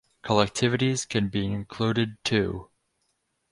Collectivities can be included too.